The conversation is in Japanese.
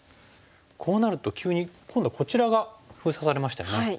こうなると急に今度はこちらが封鎖されましたよね。